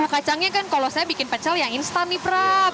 kacangnya kan kalau saya bikin pecel yang instan nih prap